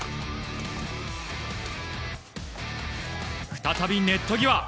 再びネット際。